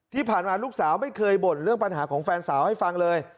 ที่ผ่านมาลูกสาวไม่เคยบ่นเรื่องปัญหาของแฟนสาวให้ฟังเลย